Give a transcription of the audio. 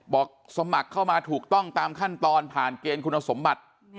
สมัครเข้ามาถูกต้องตามขั้นตอนผ่านเกณฑ์คุณสมบัติ